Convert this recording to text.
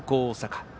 大阪。